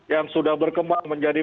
yang sudah berkembang menjadi